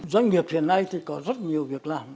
doanh nghiệp hiện nay thì có rất nhiều việc làm